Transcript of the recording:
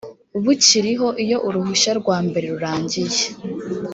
bukiriho iyo uruhushya rwa mbere rurangiye